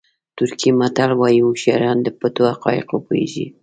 ترکي متل وایي هوښیاران د پټو حقایقو پوهېږي.